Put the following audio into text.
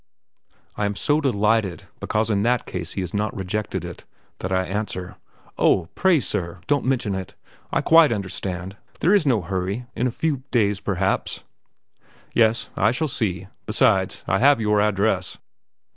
I am so delighted, because in that case he has not rejected it, that I answer: "Oh, pray, sir, don't mention it. I quite understand there is no hurry; in a few days, perhaps " "Yes, I shall see; besides, I have your address."